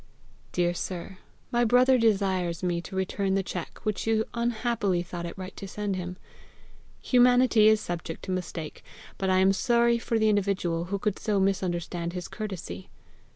"Dear sir, My brother desires me to return the cheque which you unhappily thought it right to send him. Humanity is subject to mistake, but I am sorry for the individual who could so misunderstand his courtesy.